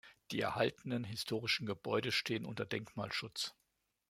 Die erhaltenen historischen Gebäude stehen unter Denkmalschutz.